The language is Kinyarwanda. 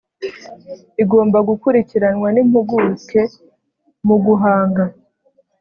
igomba gukurikiranwa n impuguke mu guhanga